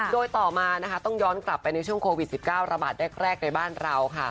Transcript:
โดยต่อมานะคะต้องย้อนกลับไปในช่วงโควิด๑๙ระบาดแรกในบ้านเราค่ะ